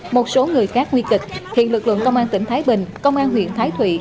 một số người khác nguy kịch hiện lực lượng công an tỉnh thái bình công an huyện thái thụy